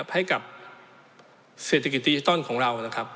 ให้กับเศรษฐกิจดิจิตอลของเรานะครับ